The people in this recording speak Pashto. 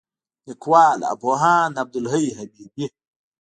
لیکوال: پوهاند عبدالحی حبیبي